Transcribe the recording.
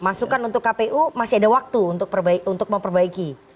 masukan untuk kpu masih ada waktu untuk memperbaiki